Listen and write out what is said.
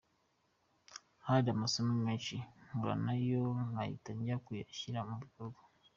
Hari amasomo menshi mpura nayo nkahita njya kuyashyira mu bikorwa.